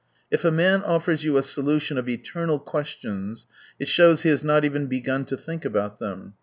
If a man offers you a solution of eternal questions, it shows he has not even begun to think about them.